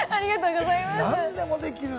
何でもできる。